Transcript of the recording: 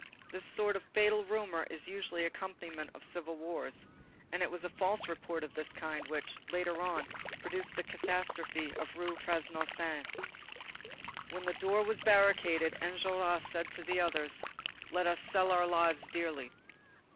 This sort of fatal rumor is the usual accompaniment of civil wars, and it was a false report of this kind which, later on, produced the catastrophe of the Rue Transnonain. When the door was barricaded, Enjolras said to the others: "Let us sell our lives dearly."